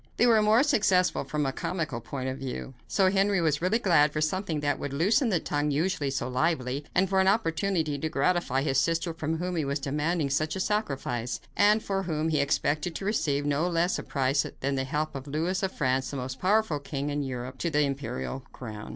They were more successful from a comical point of view. So Henry was really glad for something that would loosen the tongue usually so lively, and for an opportunity to gratify his sister from whom he was demanding such a sacrifice, and for whom he expected to receive no less a price than the help of Louis of France, the most powerful king of Europe, to the imperial crown.